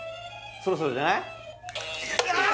そろそろじゃない？あーっ！